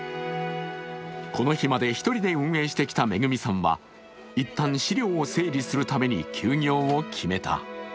この日まで１人で運営してきた愛さんはいったん資料を整理するために休業を決めた。